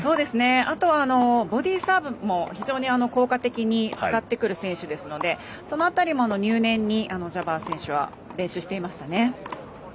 あとはボディーサーブも非常に効果的に使ってくる選手ですのでその辺りも入念にジャバー選手は練習していました。